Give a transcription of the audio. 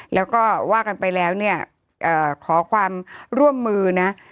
แล้วก็ว่ากันไปแล้วเนี่ยขอความร่วมมือนะ